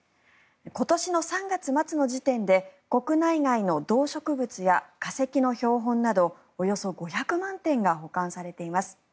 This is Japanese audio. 今年の３月末の時点で国内外の動植物や化石の標本などおよそ５００万点が保管されています。